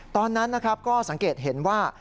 ตอนนั้นก็สังเกตเห็นว่า